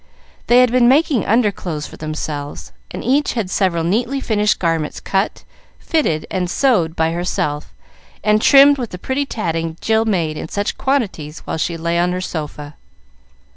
They had been making underclothes for themselves, and each had several neatly finished garments cut, fitted, and sewed by herself, and trimmed with the pretty tatting Jill made in such quantities while she lay on her sofa.